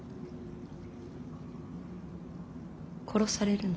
殺されるの？